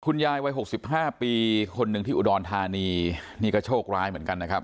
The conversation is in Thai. ยายวัย๖๕ปีคนหนึ่งที่อุดรธานีนี่ก็โชคร้ายเหมือนกันนะครับ